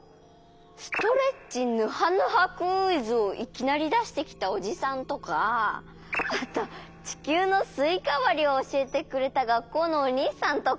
ストレッチヌハヌハクイズをいきなりだしてきたおじさんとかあとちきゅうのすいかわりをおしえてくれたがっこうのおにいさんとか。